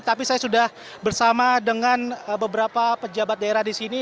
tapi saya sudah bersama dengan beberapa pejabat daerah di sini